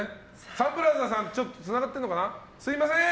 サンプラザさんはつながってるのかな。